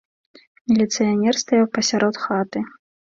Міліцыянер стаяў пасярод хаты.